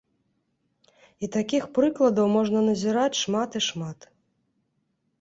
І такіх прыкладаў можна назіраць шмат і шмат.